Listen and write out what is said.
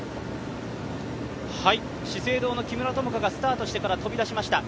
資生堂の木村友香がスタートしてから飛び出しました。